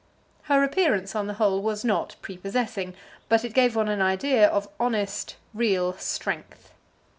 Her appearance on the whole was not pre possessing, but it gave one an idea of honest, real strength.